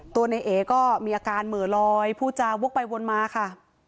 ตัวในเอก็มีอาการเหมือลอยผู้จาวกไปวนมาค่ะ